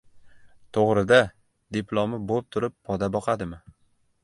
— To‘g‘ri-da, diplomi bo‘p turib poda boqadimi!